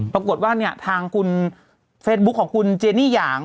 ปรากฏว่าเนี่ยทางคุณเฟซบุ๊คของคุณเจนี่หยาง